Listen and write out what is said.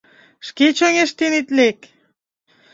Шке чоҥештен ит лек!